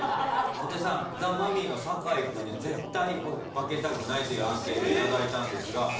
小手さんザ・マミィの酒井君には絶対負けたくないというアンケート頂いたんですが。